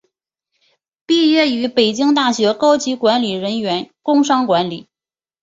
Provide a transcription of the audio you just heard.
毕业于北京大学高级管理人员工商管理。